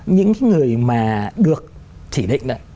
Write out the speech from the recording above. những người mà được chỉ định